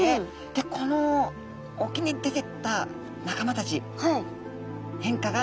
でこの沖に出てった仲間たち変化が生じましたよ。